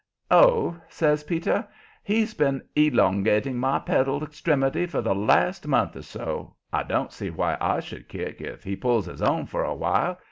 "Oh," says Peter, "he's been elongating my pedal extremity for the last month or so; I don't see why I should kick if he pulls his own for a while.